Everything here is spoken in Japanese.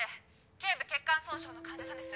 頸部血管損傷の患者さんです